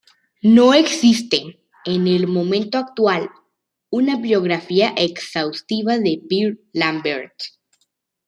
No existe, en el momento actual, una biografía exhaustiva de Pierre Lambert.